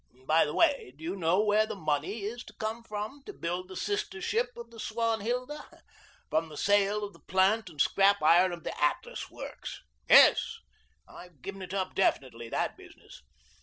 By the way, do you know where the money is to come from to build the sister ship of the 'Swanhilda'? From the sale of the plant and scrap iron of the Atlas Works. Yes, I've given it up definitely, that business.